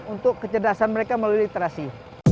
untuk kecerdasan mereka melalui literasi